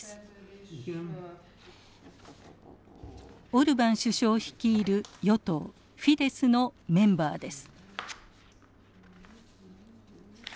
オルバン首相率いる与党フィデスのメンバーです。